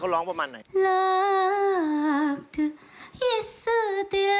การทำงานที่นู่น